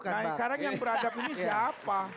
nah sekarang yang beradab ini siapa